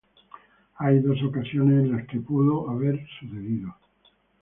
Hay dos ocasiones en las que pudo haber sucedido.